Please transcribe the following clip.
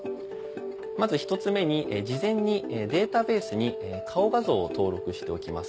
まず１つ目に事前にデータベースに顔画像を登録しておきます。